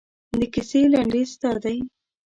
د کیسې لنډیز دادی.